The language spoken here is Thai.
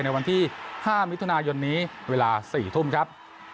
ในวันที่๕มิถุนายนนี้เวลา๔ทุ่มครับ